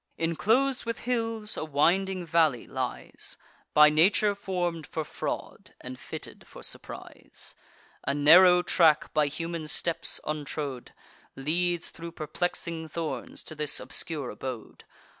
Inclos'd with hills, a winding valley lies, By nature form'd for fraud, and fitted for surprise. A narrow track, by human steps untrode, Leads, thro' perplexing thorns, to this obscure abode.